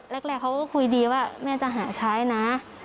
แรกเขาก็คุยดีว่าแม่จะหาใช้นะ